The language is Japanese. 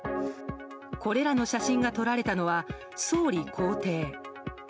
これらの写真が撮られたのは総理公邸。